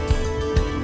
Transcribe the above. pasti anda ingat